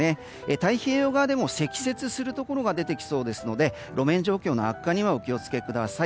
太平洋側でも積雪するところが出てきそうですので路面状況の悪化にはお気を付けください。